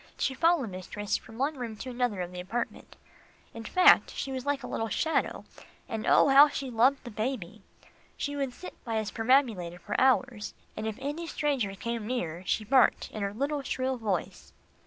She followed mistress from one room to another of the apartment in fact, she was like a little shadow, and oh! how she loved the baby. She would sit by his perambulator for hours, and if any stranger came near, she barked in her little, shrill voice.